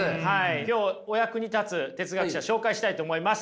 今日お役に立つ哲学者紹介したいと思います。